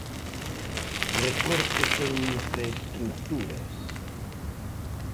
Recortes en infraestruturas.